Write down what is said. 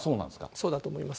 そうだと思います。